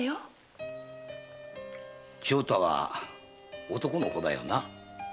長太は男の子だよな？